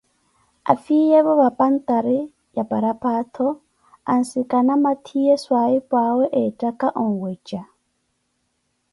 Afiyeevo vampatari ya paraphato ansikana mathiye swaahipuawe ettaka onweeja